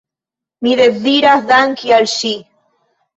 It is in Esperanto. Mi deziras danki al ŝi.